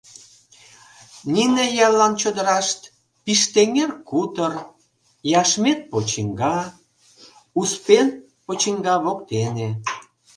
Нине яллан чодырашт — Пиштеҥер кутор, Яшмет почиҥга, Успен почиҥга воктене.